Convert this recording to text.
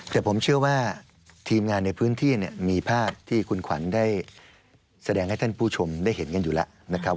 แต่ผมเชื่อว่าทีมงานในพื้นที่เนี่ยมีภาพที่คุณขวัญได้แสดงให้ท่านผู้ชมได้เห็นกันอยู่แล้วนะครับ